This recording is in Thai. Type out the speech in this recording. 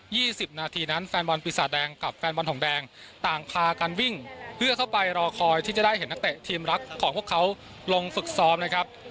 สิบนาทีนั้นแฟนบอลปีศาจแดงกับแฟนบอลทองแดงต่างพากันวิ่งเพื่อเข้าไปรอคอยที่จะได้เห็นนักเตะทีมรักของพวกเขาลงฝึกซ้อมนะครับ